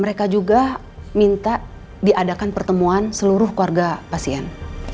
mereka juga minta diadakan pertemuan seluruh keluarga pasien